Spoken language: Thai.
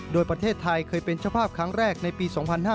โดยประเทศไทยเคยเป็นเจ้าภาพครั้งแรกในปี๒๕๕๙